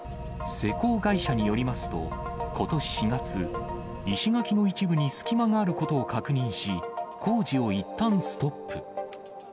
施工会社によりますと、ことし４月、石垣の一部に隙間があることを確認し、工事をいったんストップ。